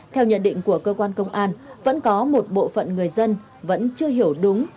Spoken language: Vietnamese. theo nhận định của cơ quan công an vẫn có một bộ phận người dân vẫn chưa hiểu đúng